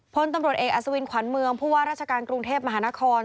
พลตำรวจเอกอัศวินขวัญเมืองผู้ว่าราชการกรุงเทพมหานคร